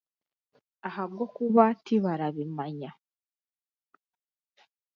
Ahabwokuba tibarabimanya